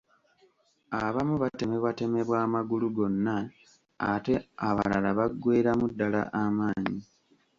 Abamu batemebwatemebwa amagulu gonna ate abalala baggweeramu ddala amaanyi.